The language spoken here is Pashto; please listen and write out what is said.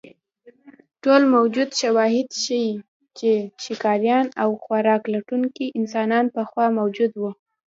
ټول موجود شواهد ښیي، چې ښکاریان او خوراک لټونکي انسانان پخوا موجود وو.